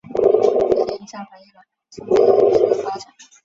这些影响反映了苏里南历史的发展。